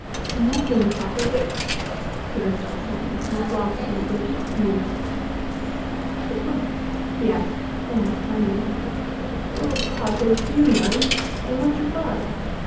"Nothing, papa, but " the rest of her sentence was lost in a burst of tears. "But what?" he asked almost kindly. "Oh, papa! you know! I want your love.